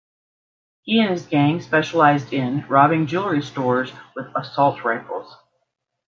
He and his gang specialised in robbing jewellery stores with assault rifles.